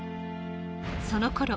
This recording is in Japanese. そのころ